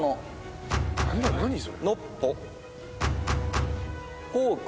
何それ。